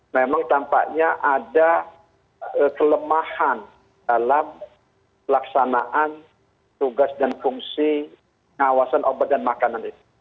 memang tampaknya ada kelemahan dalam pelaksanaan tugas dan fungsi pengawasan obat dan makanan itu